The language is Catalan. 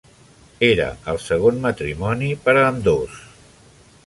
Era el segon matrimoni per a ambdós.